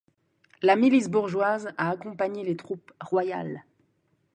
La milice bourgeoise a accompagné les troupes royales.